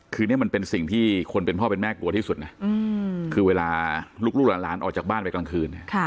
คือนี่มันเป็นสิ่งที่คนเป็นพ่อเป็นแม่กลัวที่สุดนะคือเวลาลูกหลานออกจากบ้านไปกลางคืนเนี่ย